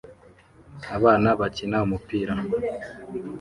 Abana bakina umupira